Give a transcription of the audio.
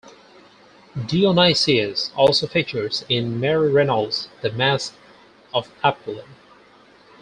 Dionysius also features in Mary Renault's "The Mask of Apollo".